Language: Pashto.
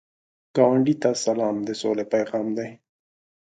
ګاونډي ته سلام، د سولې پیغام دی